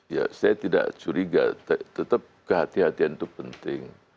ya saya tidak curiga tetap kehatian kehatian itu penting